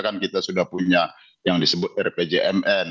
kan kita sudah punya yang disebut rpjmn